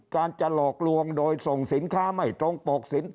การจะหลอกลวงโดยส่งสินค้าไม่ตรงปกสิน